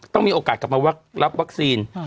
ต้องมีโอกาสกลับมารับวัคซีน